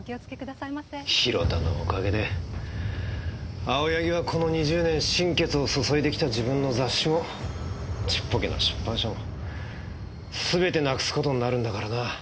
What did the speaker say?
広田のおかげで青柳はこの２０年心血を注いできた自分の雑誌もちっぽけな出版社も全てなくすことになるんだからな。